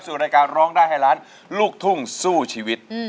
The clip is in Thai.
รายการร้องได้ให้ล้านลูกทุ่งสู้ชีวิต